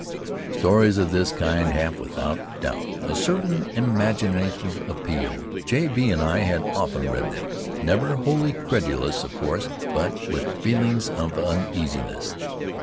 Stories of this kind have, without doubt, a certain imaginative appeal. J. B. and I had often read them, never wholly credulous, of course, but with feelings of uneasiness.